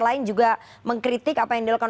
lain juga mengkritik apa yang dilakukan